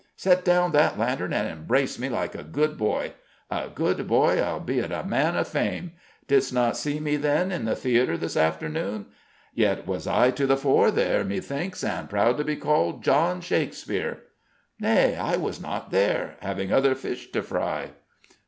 Set down that lantern and embrace me, like a good boy: a good boy, albeit a man of fame. Didst not see me, then, in the theatre this afternoon? Yet was I to the fore there, methinks, and proud to be called John Shakespeare." "Nay, I was not there; having other fish to fry."